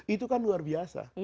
itu kan luar biasa